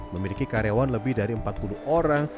memiliki karyawan lebih dari empat puluh orang